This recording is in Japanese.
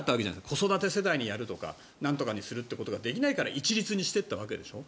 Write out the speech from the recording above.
子育て世代にやるとかなんとかにするってことができないから一律にしていったわけでしょ。